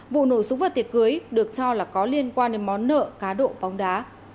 vụ nổ súng vào tiệc cưới được cho là có liên quan đến món nợ cá độ bóng đá